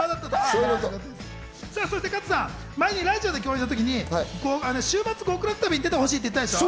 そして加藤さん、前にラジオで共演した時に『週末極楽旅』に出てほしいって言ったでしょ。